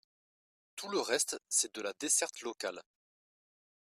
Tout le reste, c’est de la desserte locale.